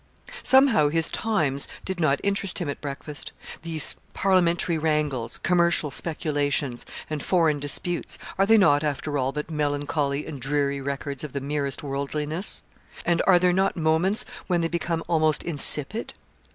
Somehow his 'Times' did not interest him at breakfast; these parliamentary wrangles, commercial speculations, and foreign disputes, are they not, after all, but melancholy and dreary records of the merest worldliness; and are there not moments when they become almost insipid?